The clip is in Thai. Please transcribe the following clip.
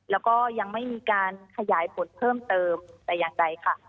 แล้วก็ยังไม่มีการขยายผลเพิ่มเติมแต่อย่างใดค่ะ